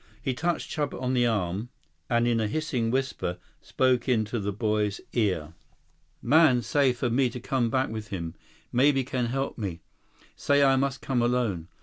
He touched Chuba on the arm and in a hissing whisper, spoke into the boy's ear. "Man say for me to come back with him. Maybe can help me. Say I must come alone.